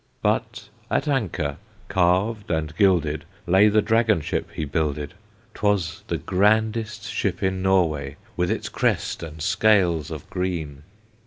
But at anchor, carved and gilded, Lay the dragon ship he builded; 'Twas the grandest ship in Norway, With its crest and scales of green.